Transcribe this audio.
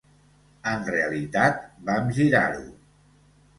En realitat, vam girar-ho.